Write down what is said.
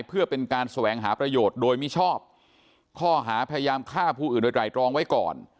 เพื่อเป็นการแสวงหาประโยชน์โดยมิชอบข้อหาพยายามฆ่าผู้อื่นโดยไตรรองไว้ก่อน